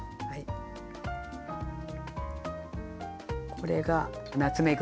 これがナツメグ。